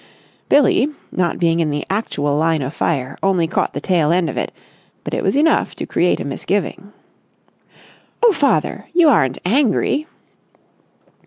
Billie, not being in the actual line of fire, only caught the tail end of it, but it was enough to create a misgiving. "Oh, father! You aren't angry!"